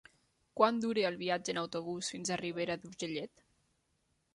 Quant dura el viatge en autobús fins a Ribera d'Urgellet?